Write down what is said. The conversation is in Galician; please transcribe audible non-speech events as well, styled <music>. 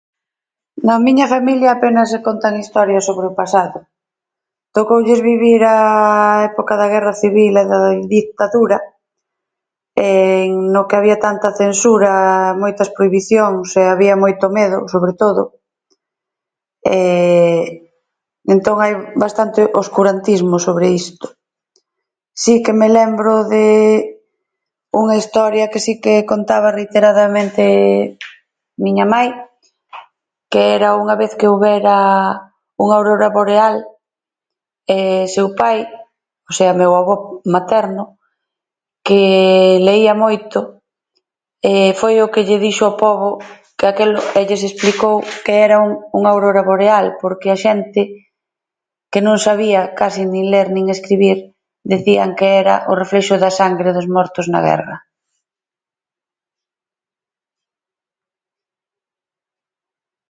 Na miña familia apenas se contan historias sobre o pasado. Tocoulles vivir a época da guerra civil e da dictadura <hesitation> no que había tanta censura, moitas prohibicións e había moito medo, sobre todo, <hesitation> entón, hai bastante oscurantismo sobre isto. Si que me lembro de unha historia que si que contaba reiteradamente miña mai, que era unha vez que houbera unha aurora boreal, <hesitation> seu pai, o sea, meu avó materno, que leía moito e foi o que lle dixo ao pobo, que aquelo, que lles explicou que era un unha aurora boreal porque a xente, que non sabía case nin ler nin escribir, dicían que era o reflexo da sangre dos mortos na guerra.